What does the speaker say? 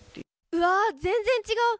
うわ全然違う！